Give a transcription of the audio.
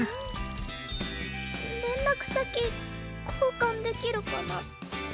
連絡先交換できるかなって。